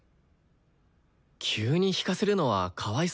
急に弾かせるのはかわいそうじゃない？